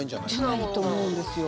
じゃないと思うんですよ。